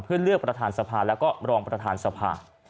เพื่อเลือกประธานสภาแล้วก็รองประธานสภา